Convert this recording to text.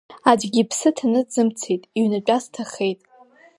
Аӡәгьы иԥсы ҭаны дзымцеит, иҩнатәаз ҭахеит.